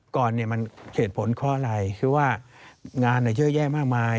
ก่อนเนี่ยมันเหตุผลเพราะอะไรคือว่างานเยอะแยะมากมาย